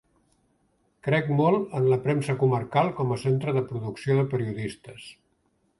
Crec molt en la premsa comarcal com a centre de producció de periodistes.